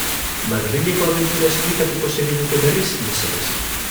Madrileko abentura esplikatuko zeniguke berriz, mesedez?